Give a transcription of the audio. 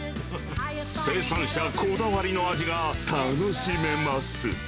生産者こだわりの味が楽しめます。